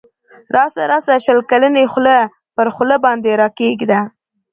راسه راسه شل کلنی خوله پر خوله باندی را کښېږده